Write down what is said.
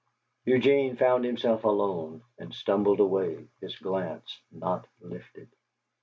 Eugene found himself alone, and stumbled away, his glance not lifted.